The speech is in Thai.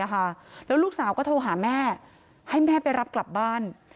แล้วลูกสาวก็โทรหาแม่ให้แม่ไปรับกลับบ้าน